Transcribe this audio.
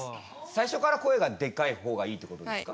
最初から声がでかい方がいいってことですか？